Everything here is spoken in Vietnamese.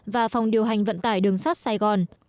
và phòng điều hành vận tải đường sắt sài gòn